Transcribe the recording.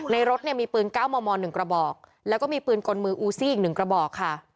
ในรถมีปืนก้าวมอมอนหนึ่งกระบอกแล้วก็มีปืนกลมืออูซี่อีกหนึ่งกระบอก